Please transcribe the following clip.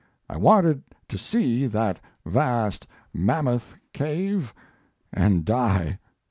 I wanted to see that vast Mammoth cave and die.